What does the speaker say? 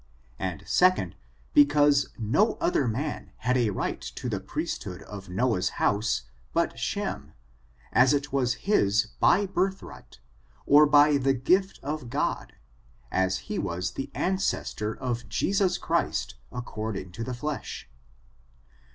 And, secondy because no other man had a right to the priesthood of Noah's house but Shem, as it was his by birthright, or by the gift of God, as he was the an* cestor of Jesus Christ, according to the flesh.